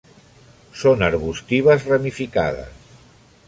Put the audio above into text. Són arbustives ramificades.